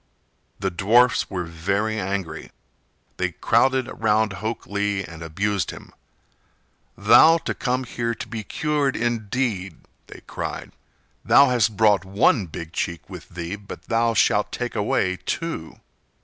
The dwarfs were very angry. They crowded round Hok Lee and abused him. "Thou to come here to be cured, indeed!" they cried. "Thou hast brought one big cheek with thee, but thou shalt take away two."